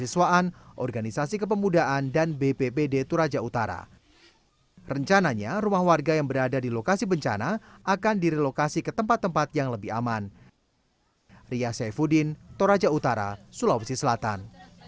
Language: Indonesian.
kepala bidang kedaruratan dan logistik bppd toraja utara mengatakan pergeseran tanah ini diakibatkan oleh intensitas hujan yang lebih aman